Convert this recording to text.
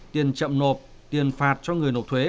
tiền chậm nộp tiền phạt cho người nộp thuế